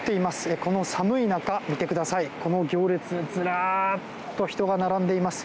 この寒い中見てください、この行列。ずらっと人が並んでいます。